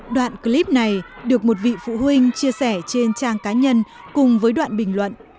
đoạn clip này được một vị phụ huynh chia sẻ trên trang cá nhân cùng với đoạn bình luận